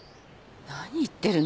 何言ってるの。